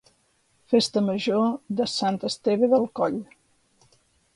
Festa Major de Sant Esteve del Coll